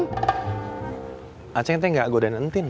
a reacheng teh nggak godayin entin mak